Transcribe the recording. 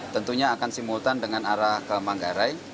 tentunya akan simultan dengan arah ke manggarai